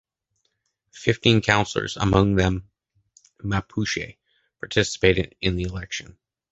Fifteen councilors, among them Mapuche, participated in the election.